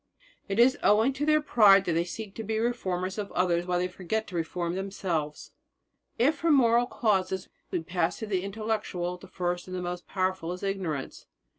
It is owing to their pride that they seek to be the reformers of others while they forget to reform themselves." "If from moral causes we pass to the intellectual, the first and most powerful is ignorance.